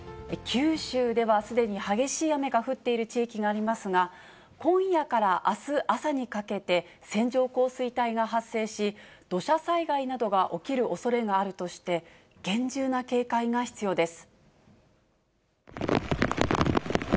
九州ではすでに激しい雨が降っている地域がありますが、今夜からあす朝にかけて、線状降水帯が発生し、土砂災害などが起きるおそれがあるとして、厳重な警戒が必要です。